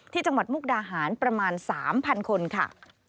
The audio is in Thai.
จังหวัดมุกดาหารประมาณ๓๐๐คนค่ะ